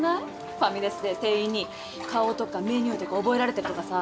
ファミレスで店員に顔とかメニューとか覚えられてるとかさ。